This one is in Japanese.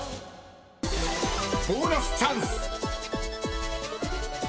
［ボーナスチャンス！］